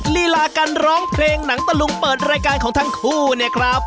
ลีลาการร้องเพลงหนังตะลุงเปิดรายการของทั้งคู่เนี่ยครับ